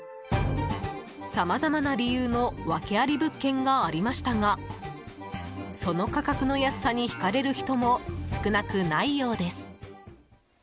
さまざまな理由のワケあり物件がありましたがその価格の安さに引かれる人も少なくないようです。